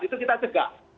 itu kita cegah